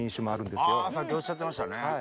さっきおっしゃってましたね。